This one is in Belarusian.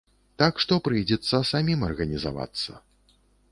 Так што прыйдзецца самім арганізавацца.